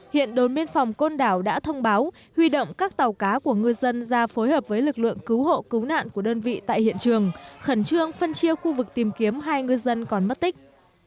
hiện đồn biên phòng côn đảo đã thông báo huy động các tàu cá của ngư dân ra phối hợp với lực lượng cứu hộ cứu nạn của đơn vị tại hiện trường khẩn trương phân chia khu vực tìm kiếm hai ngư dân còn mất tích